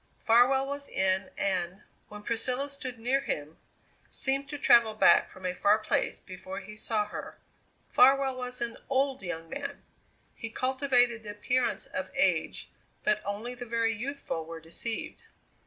Farwell was in and, when Priscilla stood near him, seemed to travel back from a far place before he saw her. Farwell was an old young man; he cultivated the appearance of age, but only the very youthful were deceived.